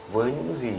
với những gì